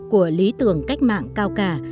của lý tưởng cách mạng cao cà